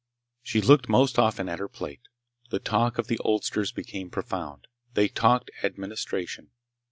She looked most often at her plate. The talk of the oldsters became profound. They talked administration.